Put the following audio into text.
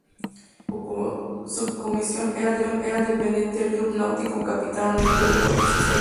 Esta subcomisión era dependiente del club náutico "Capitán Oneto", de Puerto Deseado.